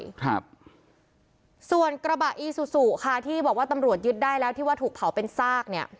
ครับส่วนกระบะอีซูซูค่ะที่บอกว่าตำรวจยึดได้แล้วที่ว่าถูกเผาเป็นซากเนี้ย